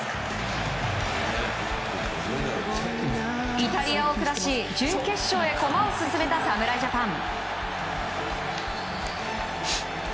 イタリアを下し準決勝へ駒を進めた侍ジャパン。